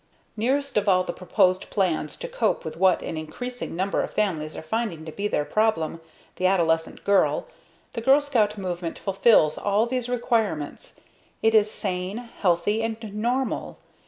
Nearest of all the proposed plans to cope with what an increasing number of families are finding to be their problem, the adolescent girl, the Girl Scout movement fulfills all these requirements. It is sane, healthy and normal.